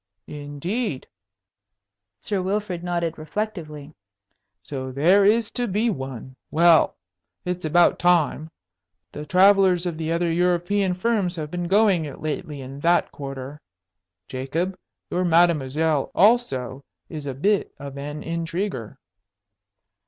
"Indeed!" Sir Wilfrid nodded reflectively. "So there is to be one! Well, it's about time. The travellers of the other European firms have been going it lately in that quarter. Jacob, your mademoiselle also is a bit of an intriguer!"